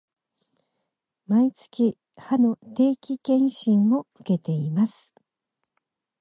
毎月、歯の定期検診を受けています